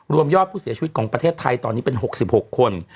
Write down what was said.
ยอดผู้เสียชีวิตของประเทศไทยตอนนี้เป็น๖๖คน